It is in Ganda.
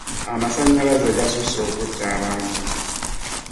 Amasannyalaze gasusse okutta abantu.